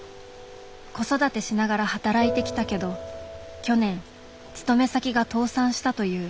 子育てしながら働いてきたけど去年勤め先が倒産したという。